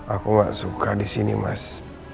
aku nggak suka di sini mas